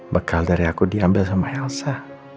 bekal dari aku diambil sama elsa